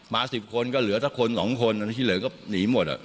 มาสิบคนก็เหลือถ้าคนสองคนที่เหลือก็หนีหมด